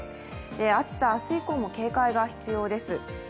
暑さ、明日以降も警戒が必要です。